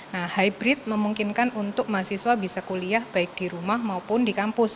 nah hybrid memungkinkan untuk mahasiswa bisa kuliah baik di rumah maupun di kampus